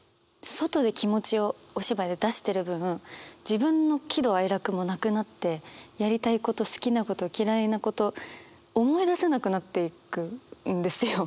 外で気持ちをお芝居で出してる分自分の喜怒哀楽もなくなってやりたいこと好きなこと嫌いなこと思い出せなくなっていくんですよ。